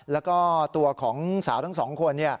แล้วก็ตัวของสาวทั้งสองคน